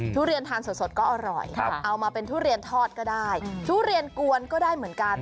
ทุเรียนทานสดก็อร่อยเอามาเป็นทุเรียนทอดก็ได้ทุเรียนกวนก็ได้เหมือนกัน